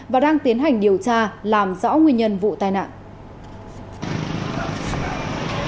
và đang tiến hành điều tra làm rõ nguyên nhân vụ tai nạn